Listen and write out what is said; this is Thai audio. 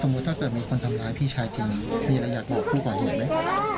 สมมุติถ้าเกิดมีคนทำร้ายพี่ชายจริงมีระยะบอกพี่ก่อนอยู่ไหม